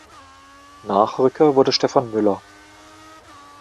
Nachrücker wurde Stefan Müller.